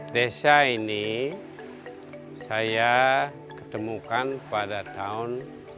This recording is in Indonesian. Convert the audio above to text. desa ini saya ketemukan pada tahun seribu sembilan ratus delapan puluh sembilan